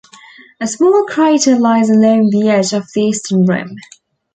A small crater lies along the edge of the eastern rim.